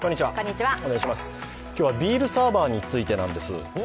今日はビールサーバーについてなんです。